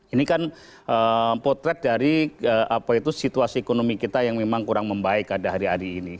ini kan potret dari situasi ekonomi kita yang memang kurang membaik pada hari hari ini